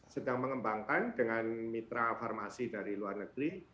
sedang mengembangkan dengan mitra farmasi dari luar negeri